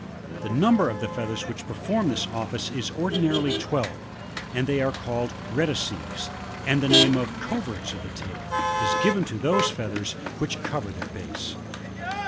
The number of the feathers which perform this office is ordinarily twelve, and they are caHed rectrices, and the name of cooerts of the tail, is given to those feathers which cover thdr base.